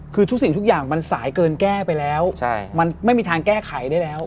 คือทุกสิ่งทุกอย่างมันสายเกินแก้ไปแล้วมันไม่มีทางแก้ไขได้แล้ว